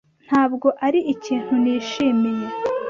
Ntabwo ari ikintu nishimiye.